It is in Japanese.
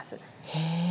へえ。